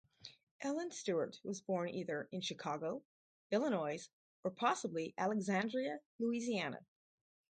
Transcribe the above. Ellen Stewart was born either in Chicago, Illinois or possibly Alexandria, Louisiana.